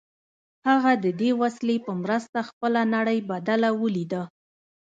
هغه د دې وسیلې په مرسته خپله نړۍ بدله ولیده